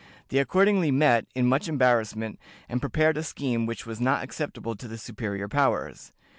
They accordingly met, in much embarrassment, and prepared a scheme which was not acceptable to the superior powers.